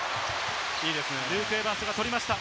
ルーク・エヴァンスが取りました。